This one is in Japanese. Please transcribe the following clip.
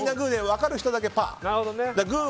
分かる人だけパー。